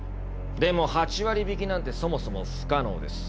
でも８割引きなんてそもそも不可能です。